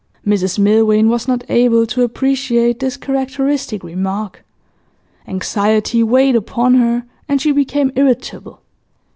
Mrs Milvain was not able to appreciate this characteristic remark. Anxiety weighed upon her, and she became irritable.